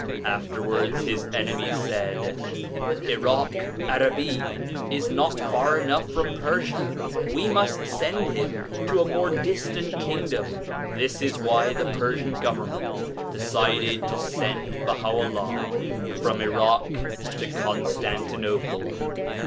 Afterwards his enemies said, ' Irak Arabi 1 is not far enough from Persia; we must send him to a more distant kingdom/ This is why the Persian Government determined to send Baha'u'llah from Irak to Constantinople.